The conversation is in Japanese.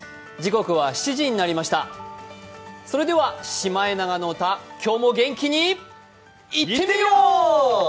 それでは「シマエナガの歌」今日も元気にいってみよう！